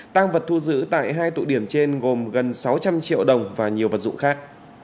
tăng vật thu giữ tại hai tụ điểm trên gồm gần sáu trăm linh triệu đồng và nhiều vật dụng khác